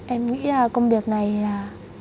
em nghĩ là công việc này là